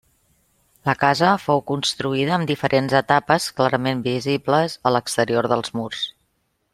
La casa fou construïda amb diferents etapes clarament visibles a l'exterior dels murs.